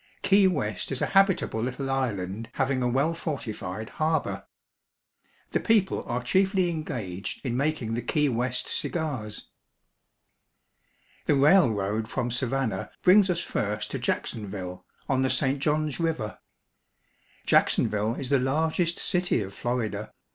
Key West is a habitable little island having a well fortified harbor. The people are chiefly engaged in making the Key West cigars. The railroad from Savannah brings us first to Jackson ville, on the St. Johns River. Jacksonville is the largest city of Florida.